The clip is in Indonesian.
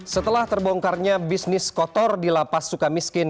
setelah terbongkarnya bisnis kotor di lapas suka miskin